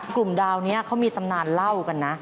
กลุ่มดาวนี้เขามีตำนานเล่ากันนะ